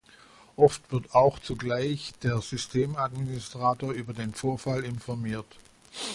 Oft wird auch zugleich der Systemadministrator über den Vorfall informiert.